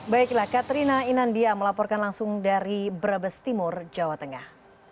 baiklah katrina inandia melaporkan langsung dari brebes timur jawa tengah